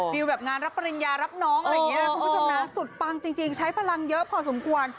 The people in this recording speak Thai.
วิวแบบงานรับปริญญารับน้องอะไรอย่างนี้นะคุณผู้ชมนะสุดปังจริงใช้พลังเยอะพอสมควร